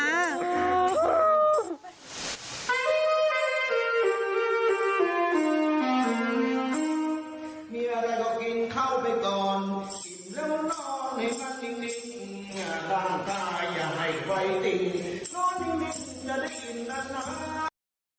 มีอะไรก็กินข้าวไปก่อนกินแล้วนอนให้มันจริงอย่าล้างตาอย่าให้ไฟติง